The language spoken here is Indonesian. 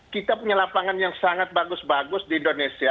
kita punya lapangan yang sangat bagus bagus di indonesia